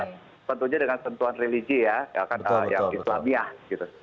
tentunya dengan sentuhan religi ya yang islamiyah gitu